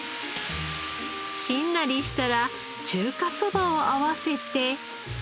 しんなりしたら中華そばを合わせて。